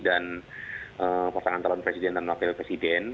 dan perusahaan talon presiden dan wakil presiden